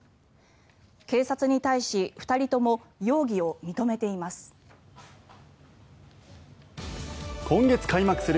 警察に対し２人とも容疑を認めています。